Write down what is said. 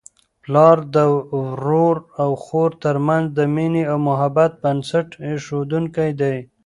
پلار د ورور او خور ترمنځ د مینې او محبت بنسټ ایښودونکی دی.